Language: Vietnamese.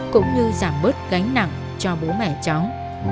cũng như giảm bớt gánh nặng cho bố mẹ cháu